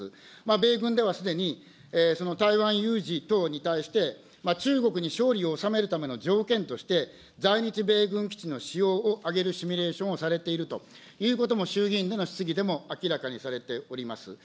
米軍ではすでに、その台湾有事等に対して、中国に勝利を収めるための条件として、在日米軍基地の使用をあげるシミュレーションをされているということも衆議院での質疑でも明らかにされております。